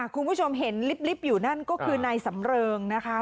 คุณผู้ชมเห็นลิฟต์อยู่นั่นก็คือนายสำเริงนะคะ